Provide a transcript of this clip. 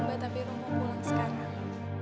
mbak tapi rung mau pulang sekarang